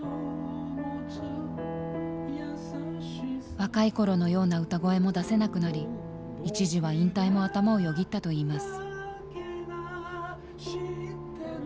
若い頃のような歌声も出せなくなり一時は引退も頭をよぎったといいます。